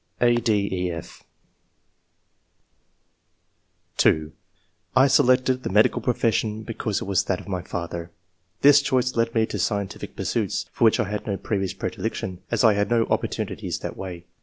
(a, d, e^f) (2) I selected the medical profession because it was that of my father. This choice led me to scientific pursuits, for which I had no previous predilection, as I had no opportunities that way.